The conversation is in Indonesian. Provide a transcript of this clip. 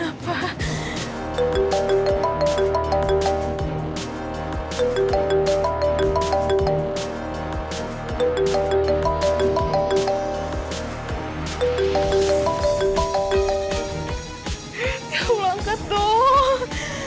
ya allah angkat dong